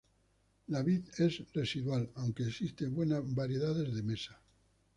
La vid es residual, aunque existen buenas variedades de mesa.